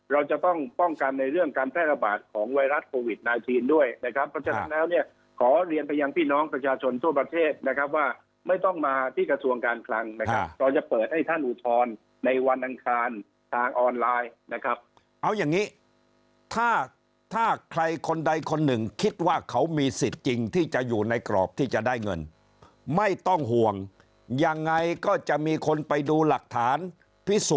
เราจะต้องป้องกันในเรื่องการแพร่ระบาดของวัยรัฐโควิด๙ด้วยนะครับ